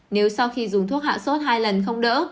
nếu sau khi dùng thuốc hạ sốt hai lần không đỡ